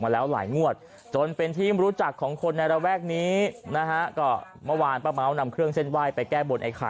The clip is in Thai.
แล้วก็เกิดอาการแปลก